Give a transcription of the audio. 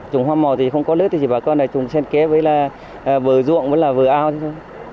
trùng hoa màu thì không có nước thì chỉ bà con là trùng sen kẽ với là vừa ruộng với là vừa ao thôi